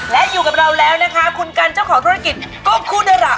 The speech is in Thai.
และอยู่กับเราแล้วนะคะคุณกันเจ้าของธุรกิจก็พูดได้ล่ะ